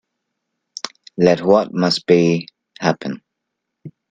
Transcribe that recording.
Let what must be, happen.